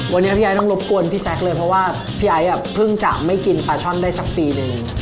วันนี้พี่ไอ้ต้องรบกวนพี่แซคเลยเพราะว่าพี่ไอ้เพิ่งจะไม่กินปลาช่อนได้สักปีหนึ่ง